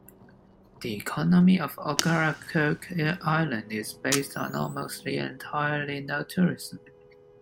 The economy of Ocracoke Island is based almost entirely on tourism.